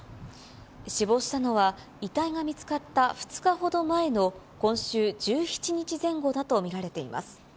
死亡したのは、遺体が見つかった２日ほど前の今週１７日前後だと見られています。